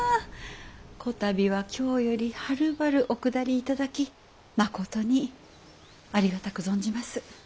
こたびは京よりはるばるお下り頂きまことにありがたく存じます。